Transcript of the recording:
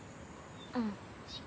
うん。